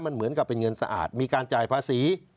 มันเหมือนกับเป็นเงินสะอาดมีการจ่ายภาษี